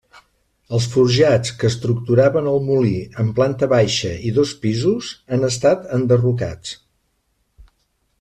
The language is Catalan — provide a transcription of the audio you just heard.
Els forjats que estructuraven el molí en planta baixa i dos pisos han estat enderrocats.